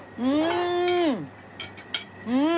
うん！